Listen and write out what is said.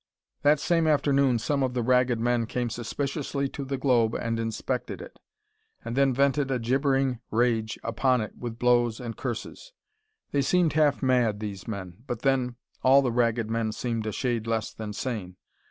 That same afternoon some of the Ragged Men came suspiciously to the globe and inspected it, and then vented a gibbering rage upon it with blows and curses. They seemed half mad, these men. But then, all the Ragged Men seemed a shade less than sane.